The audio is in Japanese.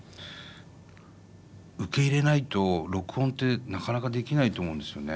受け入れないと録音ってなかなかできないと思うんですよね。